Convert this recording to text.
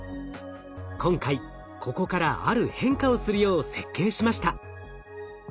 今回ここからある変化をするよう設計しました。